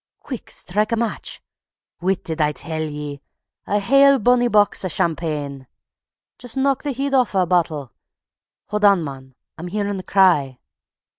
Quick! Strike a match. ... Whit did I tell ye! A hale bonny box o' shampane; Jist knock the heid aff o' a bottle. ... Haud on, mon, I'm hearing a cry.